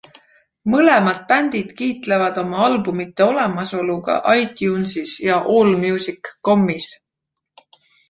Mõlemad bändid kiitlevad oma albumite olemasoluga iTunesis ja Allmusic.com-is.